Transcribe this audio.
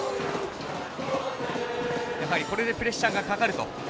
これでプレッシャーがかかると。